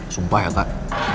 sumpah ya kak